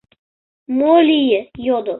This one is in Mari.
— Мо лие? — йодо.